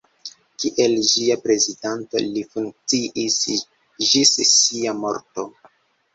Kiel ĝia prezidanto li funkciis ĝis sia morto.